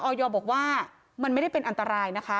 บอกว่ามันไม่ได้เป็นอันตรายนะคะ